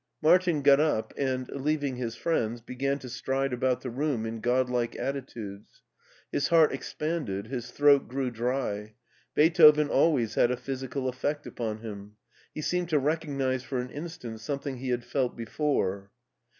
Martin got up, and, leaving his friends, began to stride about the. room in godlike attitudes. His heart expanded, his throat grew dry. Beethoven al ways had a physical effect upon him. He seemed to recognize for an instant something he had felt before.